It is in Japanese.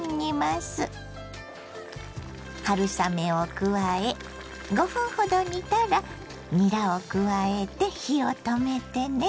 春雨を加え５分ほど煮たらにらを加えて火を止めてね。